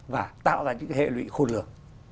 và tạo ra những hệ lụy khôn lường